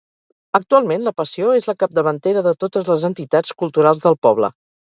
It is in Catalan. Actualment La Passió és la capdavantera de totes les entitats culturals del poble.